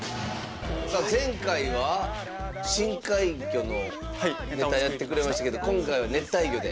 前回は深海魚のネタやってくれましたけど今回は熱帯魚で。